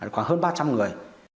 khoảng hơn ba trăm linh người